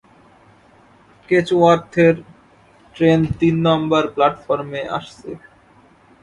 কেচওয়ার্থ এর ট্রেন তিন নাম্বার প্ল্যাটফর্মে আসছে।